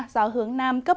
giáo hướng nam cấp bốn